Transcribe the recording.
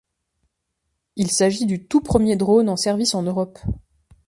Il s'agit du tout premier drone en service en Europe.